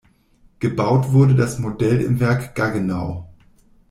Gebaut wurde das Modell im Werk Gaggenau.